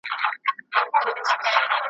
او کرغېړنو کلماتو وینا کوله ,